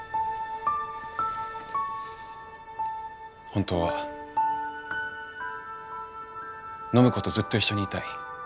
本当は暢子とずっと一緒にいたい。